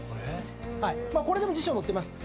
これでも辞書に載ってます。